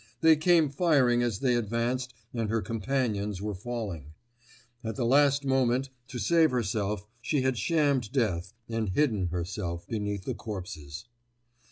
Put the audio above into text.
They came firing as they advanced and her companions were falling. At the last moment, to save herself, she had shammed death and hidden herself beneath the corpses.